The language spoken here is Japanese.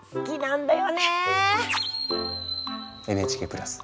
ＮＨＫプラス